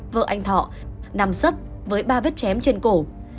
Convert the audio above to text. vợ anh thọ nằm sấp với ba vết chém trên cổ